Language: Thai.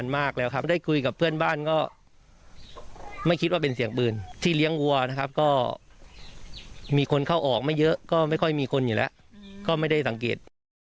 ไม่คิดว่าเป็นเสียงปืนที่เลี้ยงวัวนะครับก็มีคนเข้าออกไม่เยอะก็ไม่ค่อยมีคนอยู่แล้วก็ไม่ได้สังเกต